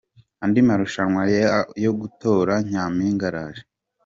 Andi marushanwa yo gutora Nyampinga araje